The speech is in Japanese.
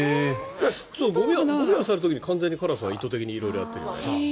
ゴミを漁る時に完全にカラスは意図的に色々やっているよね。